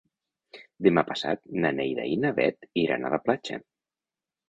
Demà passat na Neida i na Bet iran a la platja.